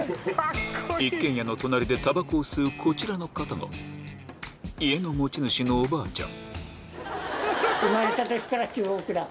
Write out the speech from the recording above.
一軒家の隣でタバコを吸うこちらの方が家の持ち主のおばあちゃん